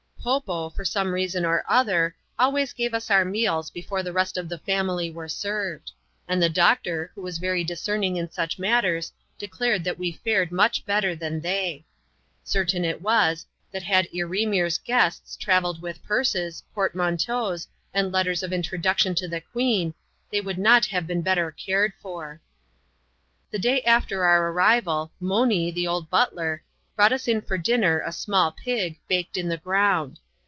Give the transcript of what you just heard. Po Po, for some reason or other, always gave us our meals before the rest of the family were served ; and the doctor, who was very discerning in such matters, declared that we fared much better than they. Certain it was, that had Ereemear's guests travelled with purses, portmanteaux, and letters of intro duction to the queen, they could not have been better cared for. The day after our arrival, Monee, the old butler, brought us in for dinner a small pig, baked in the ground.